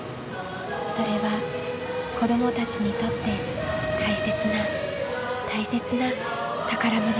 それは子どもたちにとって大切な大切な宝物です。